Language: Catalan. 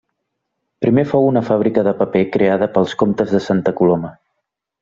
Primer fou una fàbrica de paper creada pels comtes de Santa Coloma.